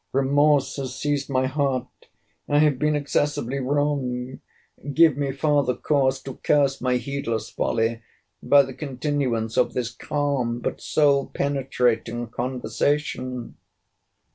—Remorse has seized my heart!—I have been excessively wrong—give me farther cause to curse my heedless folly, by the continuance of this calm but soul penetrating conversation.